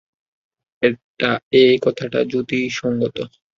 এ কথাটা যুক্তিসঙ্গত।